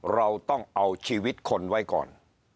เราต้องเอาชีวิตคนไว้ก่อน